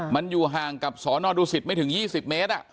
มันอยู่ห่างกับสนดูสิตไม่ถึง๒๐เมตร